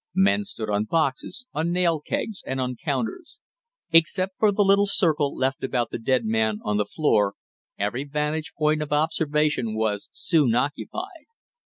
Men stood on boxes, on nail kegs, and on counters. Except for the little circle left about the dead man on the floor, every vantage point of observation was soon occupied.